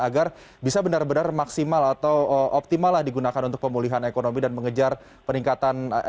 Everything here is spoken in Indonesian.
agar bisa benar benar maksimal atau optimal lah digunakan untuk pemulihan ekonomi dan mengejar peningkatan ekonomi